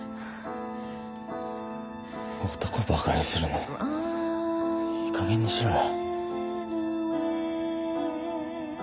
男バカにするのもいいかげんにしろよ。